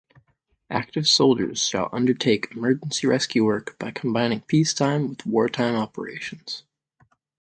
Active soldiers shall undertake emergency rescue work by combining peacetime with wartime operations.